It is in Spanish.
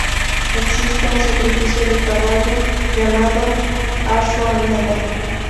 Existe un sacrificio de caballo, llamado "ashua-medhá".